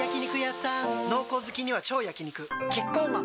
濃厚好きには超焼肉キッコーマン